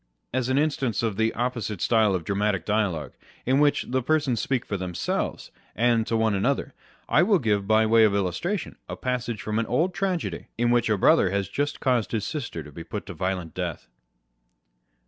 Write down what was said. As an instance of the opposite style of dramatic dialogue, in which the persons speak for themselves, and to one another, I will give, by way of illustration, a passage from an old tragedy, in which a brother has just caused his sister to be put to a violent death.